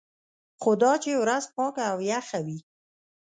خو دا چې ورځ پاکه او یخه وي.